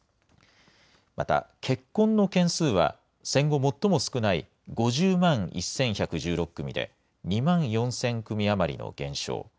また結婚の件数は、戦後最も少ない５０万１１１６組で２万４０００組余りの減少。